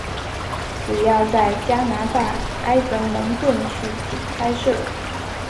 主要在加拿大埃德蒙顿取景拍摄。